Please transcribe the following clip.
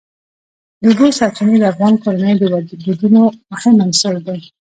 د اوبو سرچینې د افغان کورنیو د دودونو مهم عنصر دی.